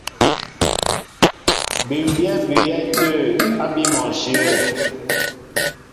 Bʉ́mbyɛ́ á bʉʉyɛ́ tə̂ ábí mɔnshyə̂.